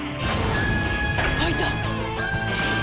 開いた！